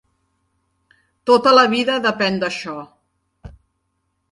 Tota la vida depèn d'això.